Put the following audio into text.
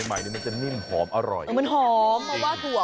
ช่วงนี้เป็นช่วงวันศาสตร์ไทย